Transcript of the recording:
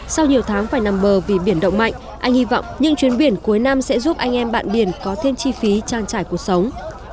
sau nhiều tháng phải nằm bờ vì biển động mạnh anh hy vọng những chuyến biển cuối năm sẽ giúp anh em bạn biển có thêm chi phí trang trải cuộc sống